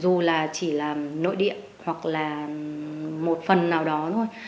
dù là chỉ là nội địa hoặc là một phần nào đó thôi